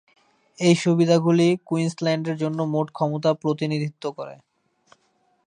এই সুবিধাগুলি কুইন্সল্যান্ডের জন্য মোট ক্ষমতা প্রতিনিধিত্ব করে।